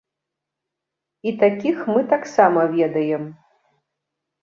І такіх мы таксама ведаем.